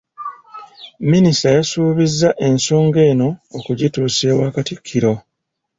Minisita yasuubizza ensonga eno okugituusa ewa Katikkiro.